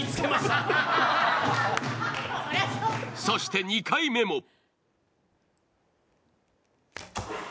そして２回目も。